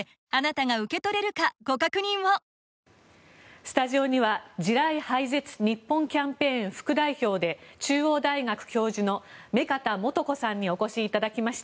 スタジオには地雷廃絶日本キャンペーン副代表で中央大学教授の目加田説子さんにお越しいただきました。